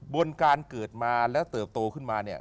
บนการเกิดมาแล้วเติบโตขึ้นมาเนี่ย